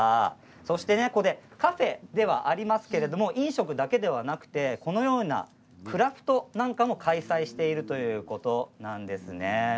カフェではありますけれど飲食だけではなくこのようなクラフトなんかも開催しているということなんですね。